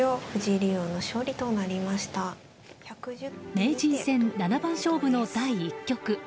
名人戦七番勝負の第１局。